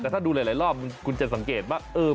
แต่ถ้าดูหลายรอบคุณจะสังเกตว่า